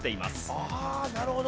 ああなるほど。